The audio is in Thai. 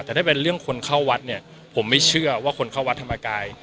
แต่ถ้าเป็นเรื่องคนเข้าวัดเนี่ยผมไม่เชื่อว่าคนเข้าวัดธรรมกาย